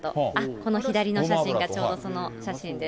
この左の写真が、ちょうどその写真です。